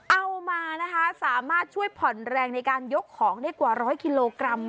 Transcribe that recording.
เอามานะคะสามารถช่วยผ่อนแรงในการยกของได้กว่าร้อยกิโลกรัม